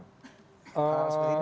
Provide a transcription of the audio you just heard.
hal hal seperti ini